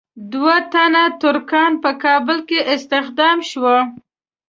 دوه تنه ترکان په کابل کې استخدام شوي.